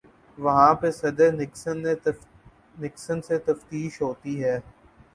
وہاں پہ صدر نکسن سے تفتیش ہوتی ہے۔